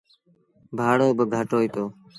ڀآڙو با گھٽ هوئيٚتو۔